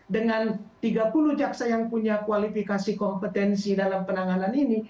dengan tiga puluh jaksa yang punya kualifikasi kompetensi dalam penanganan ini